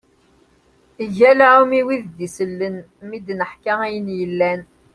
Galɛum i wid d-isellen, mi d-neḥka ayen yellan.